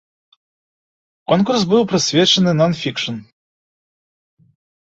Конкурс быў прысвечаны нон-фікшн.